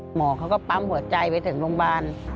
หมอเขาก็ปั๊มหัวใจไปถึงโรงพยาบาล